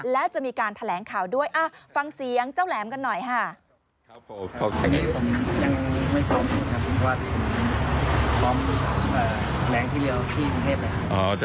แล้วจะมีการแถลงข่าวด้วยฟังเสียงเจ้าแหลมกันหน่อยค่ะ